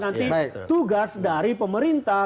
nanti tugas dari pemerintah